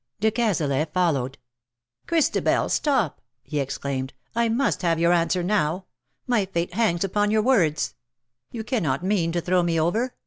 De Cazalet followed. " Christabel, stop," he exclaimed ;" I must have your answer now. My fate hangs upon your words. 231 You cannot mean to throw me over.